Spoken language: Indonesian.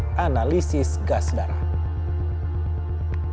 saat analisis gas darah